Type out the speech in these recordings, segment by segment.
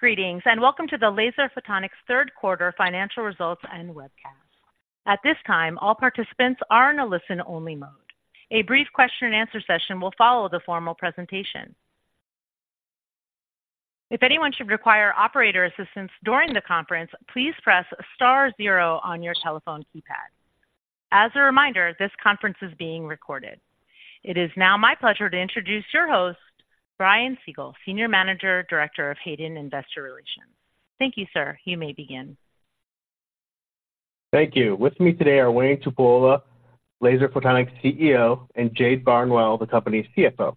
Greetings, and welcome to the Laser Photonics third quarter financial results and webcast. At this time, all participants are in a listen-only mode. A brief question and answer session will follow the formal presentation. If anyone should require operator assistance during the conference, please press star zero on your telephone keypad. As a reminder, this conference is being recorded. It is now my pleasure to introduce your host, Brian Siegel, Senior Managing Director of Hayden IR. Thank you, sir. You may begin. Thank you. With me today are Wayne Tupuola, Laser Photonics' CEO, and Jade Barnwell, the company's CFO.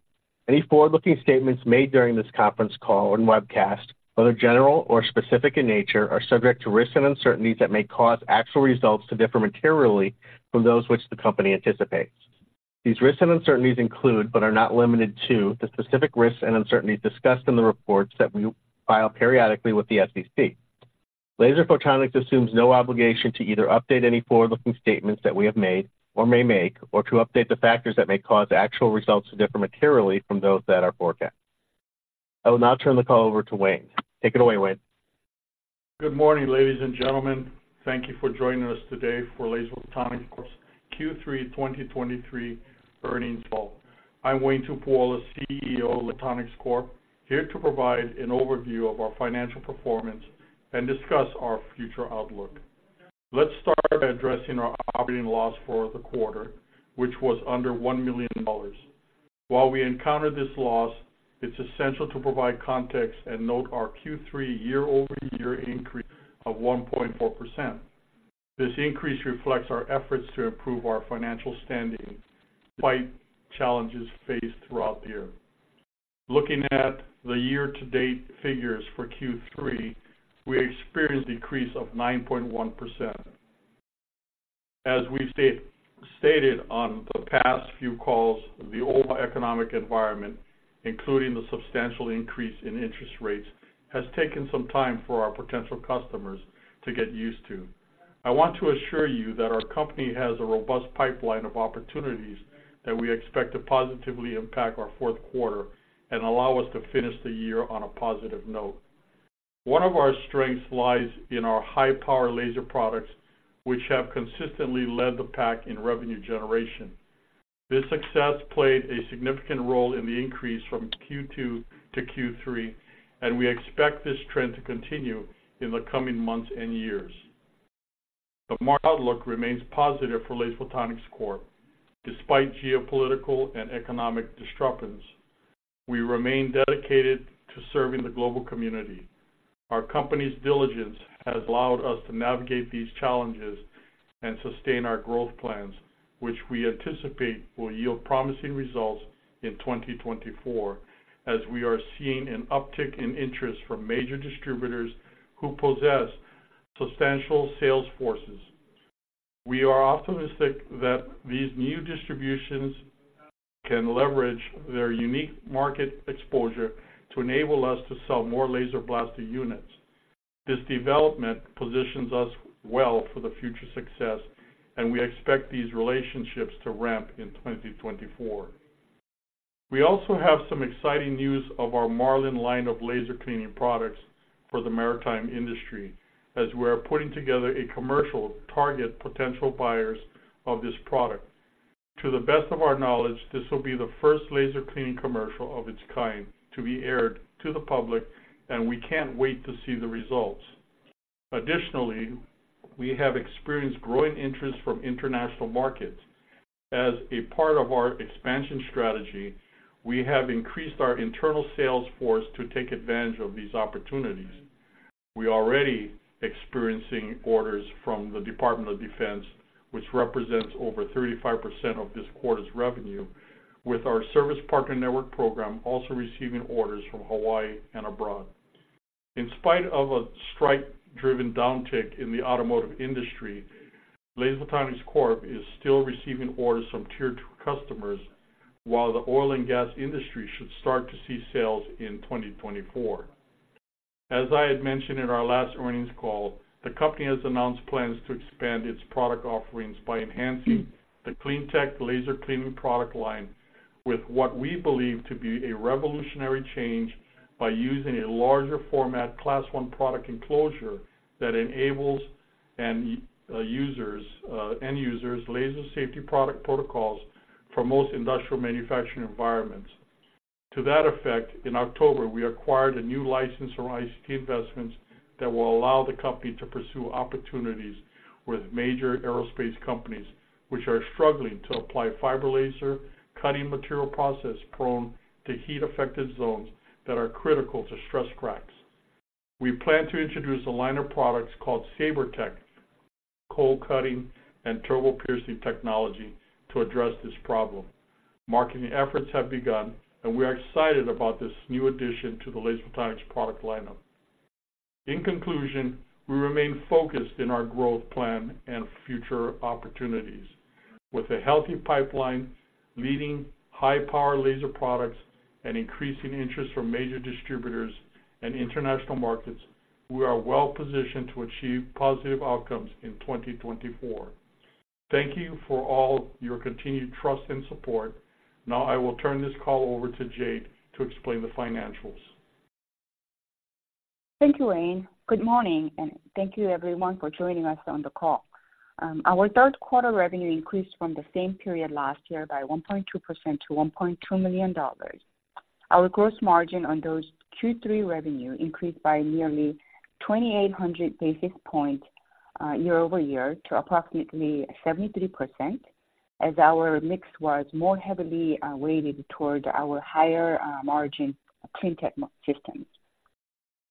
Any forward-looking statements made during this conference call and webcast, whether general or specific in nature, are subject to risks and uncertainties that may cause actual results to differ materially from those which the company anticipates. These risks and uncertainties include, but are not limited to, the specific risks and uncertainties discussed in the reports that we file periodically with the SEC. Laser Photonics assumes no obligation to either update any forward-looking statements that we have made or may make, or to update the factors that may cause actual results to differ materially from those that are forecast. I will now turn the call over to Wayne. Take it away, Wayne. Good morning, ladies and gentlemen. Thank you for joining us today for Laser Photonics Corp's Q3 2023 earnings call. I'm Wayne Tupuola, CEO of Laser Photonics Corp, here to provide an overview of our financial performance and discuss our future outlook. Let's start by addressing our operating loss for the quarter, which was under $1 million. While we encountered this loss, it's essential to provide context and note our Q3 year-over-year increase of 1.4%. This increase reflects our efforts to improve our financial standing despite challenges faced throughout the year. Looking at the year-to-date figures for Q3, we experienced a decrease of 9.1%. As we've stated on the past few calls, the old economic environment, including the substantial increase in interest rates, has taken some time for our potential customers to get used to. I want to assure you that our company has a robust pipeline of opportunities that we expect to positively impact our fourth quarter and allow us to finish the year on a positive note. One of our strengths lies in our high-power laser products, which have consistently led the pack in revenue generation. This success played a significant role in the increase from Q2-Q3, and we expect this trend to continue in the coming months and years. The market outlook remains positive for Laser Photonics Corp, despite geopolitical and economic disruptions. We remain dedicated to serving the global community. Our company's diligence has allowed us to navigate these challenges and sustain our growth plans, which we anticipate will yield promising results in 2024, as we are seeing an uptick in interest from major distributors who possess substantial sales forces. We are optimistic that these new distributions can leverage their unique market exposure to enable us to sell more laser blaster units. This development positions us well for the future success, and we expect these relationships to ramp in 2024. We also have some exciting news of our Marlin line of laser cleaning products for the maritime industry, as we are putting together a commercial to target potential buyers of this product. To the best of our knowledge, this will be the first laser cleaning commercial of its kind to be aired to the public, and we can't wait to see the results. Additionally, we have experienced growing interest from international markets. As a part of our expansion strategy, we have increased our internal sales force to take advantage of these opportunities. We're already experiencing orders from the Department of Defense, which represents over 35% of this quarter's revenue, with our service partner network program also receiving orders from Hawaii and abroad. In spite of a strike-driven downtick in the automotive industry, Laser Photonics Corp is still receiving orders from Tier 2 customers, while the oil and gas industry should start to see sales in 2024. As I had mentioned in our last earnings call, the company has announced plans to expand its product offerings by enhancing the CleanTech laser cleaning product line with what we believe to be a revolutionary change by using a larger format, Class 1 product enclosure that enables end users laser safety product protocols for most industrial manufacturing environments. To that effect, in October, we acquired a new license from IPV Investments that will allow the company to pursue opportunities with major aerospace companies, which are struggling to apply fiber laser cutting material process prone to heat-affected zones that are critical to stress cracks. We plan to introduce a line of products called SaberTech, cold cutting and turbo piercing technology to address this problem. Marketing efforts have begun, and we are excited about this new addition to the Laser Photonics product lineup. In conclusion, we remain focused in our growth plan and future opportunities. With a healthy pipeline, leading high-power laser products, and increasing interest from major distributors and international markets, we are well positioned to achieve positive outcomes in 2024....Thank you for all your continued trust and support. Now I will turn this call over to Jade to explain the financials. Thank you, Wayne. Good morning, and thank you everyone for joining us on the call. Our third quarter revenue increased from the same period last year by 1.2% to $1.2 million. Our gross margin on those Q3 revenue increased by nearly 2,800 basis points year-over-year to approximately 73%, as our mix was more heavily weighted towards our higher margin CleanTech systems.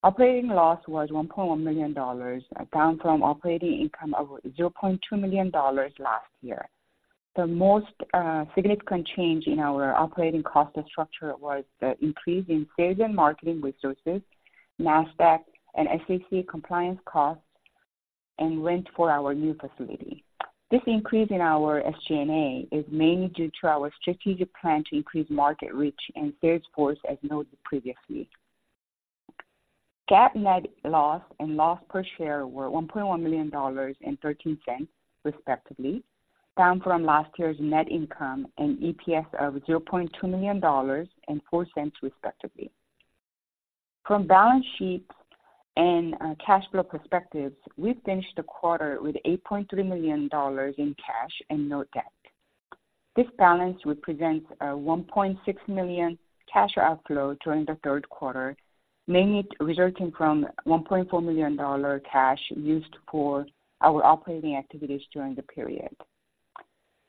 Operating loss was $1.1 million, down from operating income of $0.2 million last year. The most significant change in our operating cost structure was the increase in sales and marketing resources, NASDAQ and SEC compliance costs, and rent for our new facility. This increase in our SG&A is mainly due to our strategic plan to increase market reach and sales force, as noted previously. GAAP net loss and loss per share were $1.1 million and $0.13, respectively, down from last year's net income and EPS of $0.2 million and $0.04, respectively. From balance sheet and cash flow perspectives, we finished the quarter with $8.3 million in cash and no debt. This balance represents a $1.6 million cash outflow during the third quarter, mainly resulting from $1.4 million cash used for our operating activities during the period.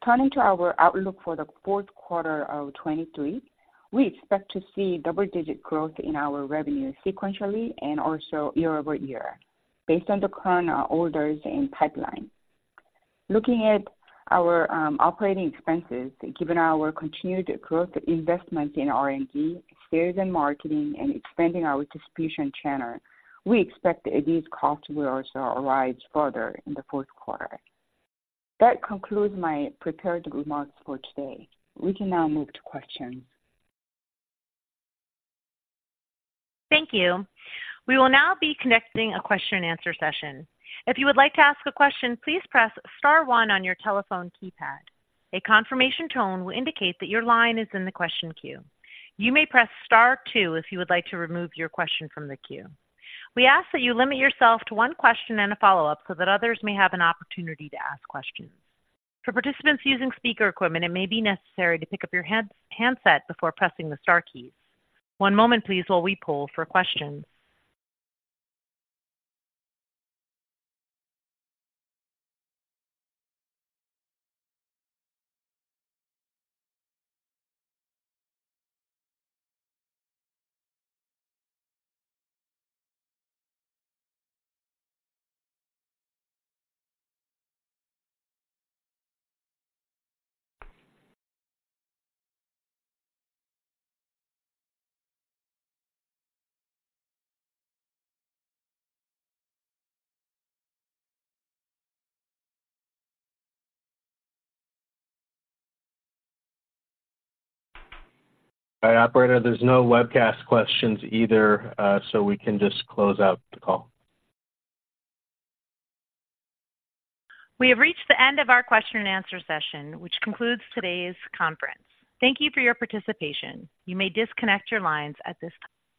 Turning to our outlook for the fourth quarter of 2023, we expect to see double-digit growth in our revenue sequentially and also year-over-year, based on the current orders in pipeline. Looking at our operating expenses, given our continued growth investments in R&D, sales and marketing, and expanding our distribution channel, we expect these costs will also rise further in the fourth quarter. That concludes my prepared remarks for today. We can now move to questions. Thank you. We will now be connecting a question and answer session. If you would like to ask a question, please press star one on your telephone keypad. A confirmation tone will indicate that your line is in the question queue. You may press star two if you would like to remove your question from the queue. We ask that you limit yourself to one question and a follow-up so that others may have an opportunity to ask questions. For participants using speaker equipment, it may be necessary to pick up your handset before pressing the star keys. One moment, please, while we poll for questions. Hi, operator. There's no webcast questions either, so we can just close out the call. We have reached the end of our question-and-answer session, which concludes today's conference. Thank you for your participation. You may disconnect your lines at this time.